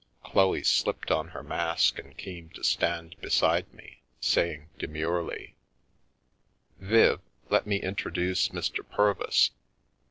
Chloe slipped on her mask and came to stand beside me, saying demurely: " Viv, let me introduce Mr. Purvis.